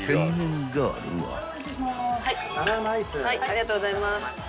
ありがとうございます。